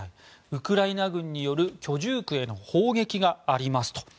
ウクライナ軍による居住区への砲撃がありますと。